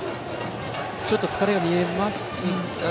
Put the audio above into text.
ちょっと疲れが見えますか？